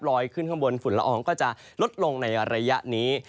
ขึ้นข้างบนฝุ่นละอองก็จะลดลงในระยะนี้